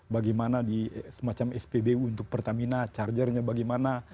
bagaimana di semacam spbu untuk pertamina chargernya bagaimana